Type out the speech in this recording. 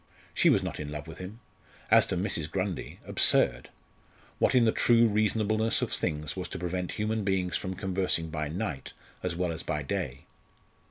She was not in love with him! As to Mrs. Grundy absurd! What in the true reasonableness of things was to prevent human beings from conversing by night as well as by day?